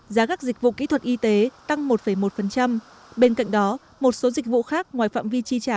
giá các dịch vụ kỹ thuật y tế tăng một một bên cạnh đó một số dịch vụ khác ngoài phạm vi chi trả